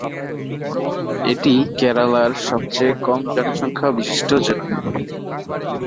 এটি কেরালার সবচেয়ে কম জনসংখ্যা বিশিষ্ট জেলা।